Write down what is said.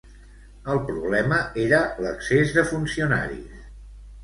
El problema era l'excés de funcionaris.